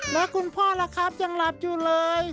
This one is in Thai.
แล้วคุณพ่อล่ะครับยังหลับอยู่เลย